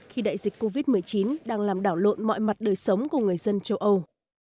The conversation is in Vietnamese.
khi đại dịch covid một mươi chín đang làm đảo lộn mọi mặt đời sống của người dân châu âu